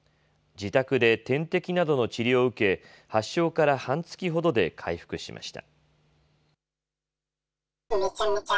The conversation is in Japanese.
自宅で点滴などの治療を受け、発症から半月ほどで回復しました。